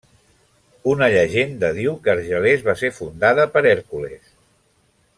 Una llegenda diu que Argelers va ser fundada per Hèrcules.